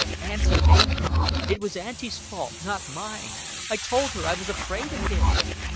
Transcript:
"Auntie made me. It was Auntie's fault, not mine. I told her I was afraid of him."